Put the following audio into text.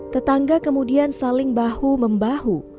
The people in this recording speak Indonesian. tetangga kemudian saling bahu membahu